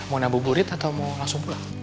mau nabu burit atau mau langsung pulang